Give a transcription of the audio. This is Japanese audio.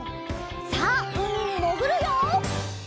さあうみにもぐるよ！